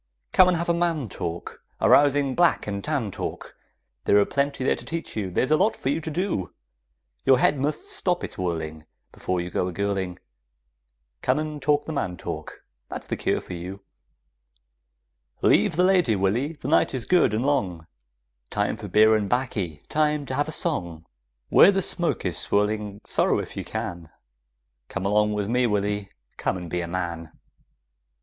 Come and have a man talk, A rousing black and tan talk, There are plenty there to teach you; there's a lot for you to do; Your head must stop its whirling Before you go a girling; Come and talk the man talk; that's the cure for you Leave the lady, Willy, the night is good and long, Time for beer and 'baccy, time to have a song; Where the smoke is swirling, sorrow if you can Come along with me, Willy, come and be a man!